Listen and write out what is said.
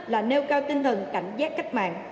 là nêu cao tinh thần cảnh giác cách mạng